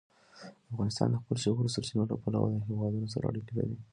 افغانستان د خپلو ژورو سرچینو له پلوه له هېوادونو سره اړیکې لري.